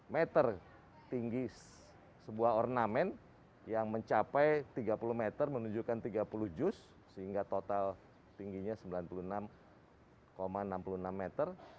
meter tinggi sebuah ornamen yang mencapai tiga puluh meter menunjukkan tiga puluh juz sehingga total tingginya sembilan puluh enam enam puluh enam meter